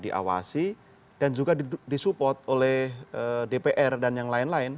diawasi dan juga disupport oleh dpr dan yang lain lain